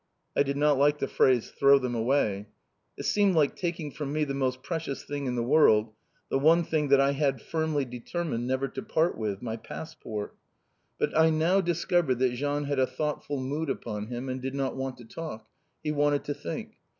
I did not like the phrase, "throw them away." It seemed like taking from me the most precious thing in the world, the one thing that I had firmly determined never to part with my passport! But I now discovered that Jean had a thoughtful mood upon him, and did not want to talk. He wanted to think.